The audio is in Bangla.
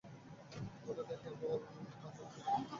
কথাটা কেবল আমাদের মাঝেই রাখা যাক।